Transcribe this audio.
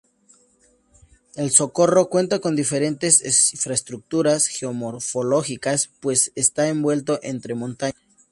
El Socorro cuenta con diferentes infraestructuras geomorfológicas pues esta envuelto entre montañas.